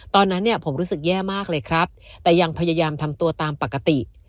ตอนนั้นเนี่ยผมรู้สึกแย่มากเลยครับแต่ยังพยายามทำตัวตามปกติ